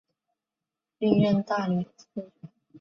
历任大理寺丞。